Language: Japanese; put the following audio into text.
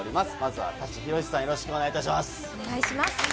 まずは舘ひろしさん、よろしくお願いします。